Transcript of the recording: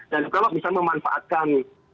dan kalau bisa memanfaatkan